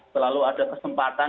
selalu ada kesempatan